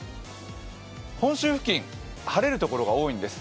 本州付近、晴れる所が多いんです。